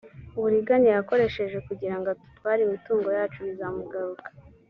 uburiganya yakoresheje kugirango adutware imitungo yacu bizamugaruka